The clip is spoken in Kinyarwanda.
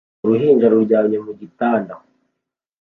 Uruhinja ruryamye mu gitanda